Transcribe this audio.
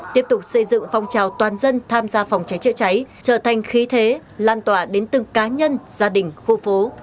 tiếp tục xây dựng phong trào toàn dân tham gia phòng cháy chữa cháy trở thành khí thế lan tỏa đến từng cá nhân gia đình khu phố